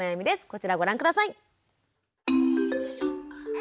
こちらをご覧下さい。